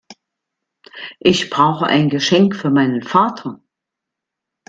Ich brauche ein Geschenk für meinen Vater.